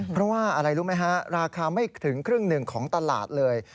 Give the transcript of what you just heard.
เพราะว่าอะไรรู้ไหมฮะราคาไม่ถึงครึ่งหนึ่งของตลาดเลย